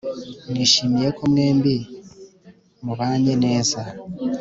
nishimiye ko mwembi mubanye neza